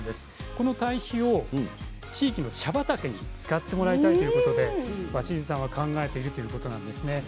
この堆肥を地域の茶畑に使ってもらいたいということで鷲巣さんは考えているということなんですね。